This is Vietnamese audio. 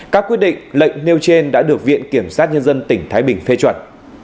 các quyết định lệnh nêu trên đã được viện kiểm sát nhân dân tỉnh thái bình phê chuẩn